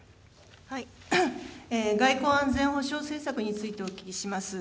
外交・安全保障政策についてお聞きします。